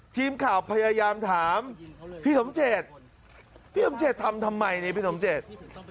ทีมข่าวพยายามถามพี่สมเจตพี่สมเจตทำทำไมนี่พี่สมเจต